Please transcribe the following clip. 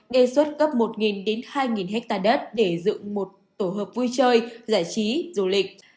đề xuất cấp một đến hai ha đất để dựng một tổ hợp vui chơi giải trí du lịch